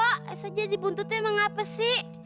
ayo saja dibuntut emang apa sih